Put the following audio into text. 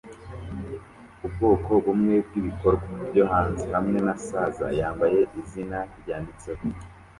Ubwoko bumwe bwibikorwa byo hanze hamwe na saza yambaye izina ryanditseho